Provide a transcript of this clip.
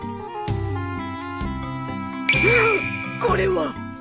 これは。